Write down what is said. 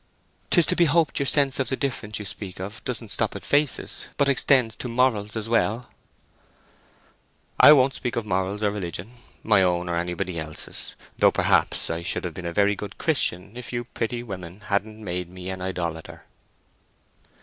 "'Tis to be hoped your sense of the difference you speak of doesn't stop at faces, but extends to morals as well." "I won't speak of morals or religion—my own or anybody else's. Though perhaps I should have been a very good Christian if you pretty women hadn't made me an idolater."